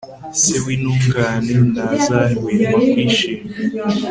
se w'intungane ntazahwema kwishima